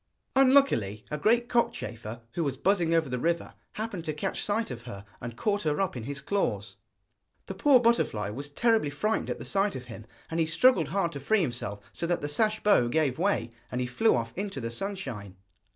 Unluckily, a great cockchafer, who was buzzing over the river, happened to catch sight of her, and caught her up in his claws. The poor butterfly was terribly frightened at the sight of him, and he struggled hard to free himself, so that the sash bow gave way, and he flew off into the sunshine.